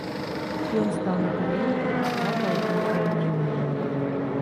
Ён стаў на калені і паклаў галаву на рэйкі.